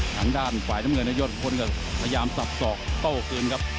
ข้างด้านภายตาเมืองก็ย้อนข้างข้างตามที่เพียงครับ